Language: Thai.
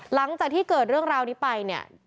หลังจากที่เกิดเรื่องราวนี้ไปเนี่ย